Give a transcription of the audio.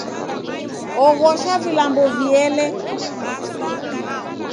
Oghosha vilambo viele